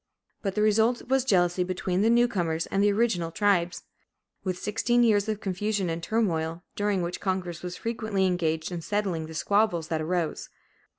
But the result was jealousy between the newcomers and the original tribes, with sixteen years of confusion and turmoil, during which Congress was frequently engaged in settling the squabbles that arose.